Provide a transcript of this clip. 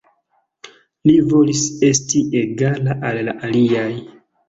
Li volis esti egala al la aliaj.